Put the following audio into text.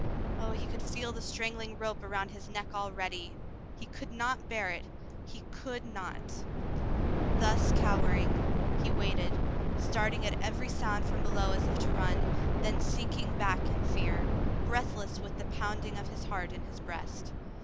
Oh, he could feel the strangling rope around his neck already ! He could not bear it — he could not ! Thus cowering, he waited, starting at every sound from below as if to run, then sinking back in fear, breathless with the pounding of his heart in his breast.